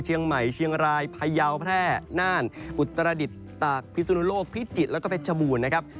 เชียงใหม่เชียงรายพยาวแพร่น่านอุตรดิษฐ์ตากพิสุนุโลกพิจิตรแล้วก็เพชรบูรณ์นะครับ